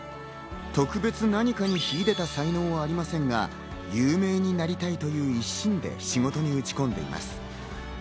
特別何かに秀でた才能はありませんが、有名になりたいという一心で仕事に打ち込んでいます。